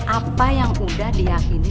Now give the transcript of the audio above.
apa yang udah diakini